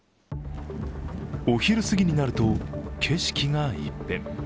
お昼すぎになると、景色が一変。